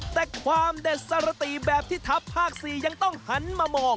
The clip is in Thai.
แต่ความเด็ดสรติแบบที่ทัพภาค๔ยังต้องหันมามอง